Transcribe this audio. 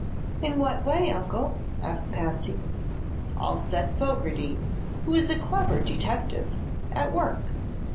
"In what way, Uncle?" asked Patsy. "I'll set Fogerty, who is a clever detective, at work.